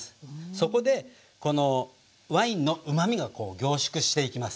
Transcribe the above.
そこでワインのうまみが凝縮していきます。